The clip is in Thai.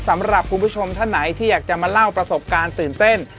สำหรับคุณผู้ชมท่านไหนที่อยากจะมาเล่าประสบการณ์ตื่นเต้น